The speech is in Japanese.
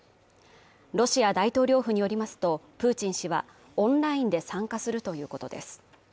ロシア大統領府によりますと、プーチン氏はオンラインで参加するということです。